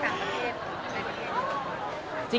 แบบไหน